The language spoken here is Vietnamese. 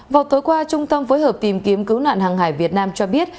vào tối qua trung tâm phối hợp tìm kiếm cứu nạn hàng hải việt nam cho biết